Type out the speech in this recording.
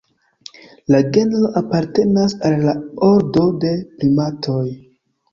La genro apartenas al la ordo de primatoj.